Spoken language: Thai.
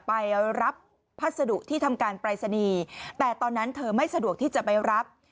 ไปรับพัสดุที่ทำการปรายศนีย์แต่ตอนนั้นเธอไม่สะดวกที่จะไปรับ